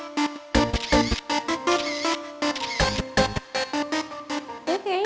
ini suka jarang banget kayak gitu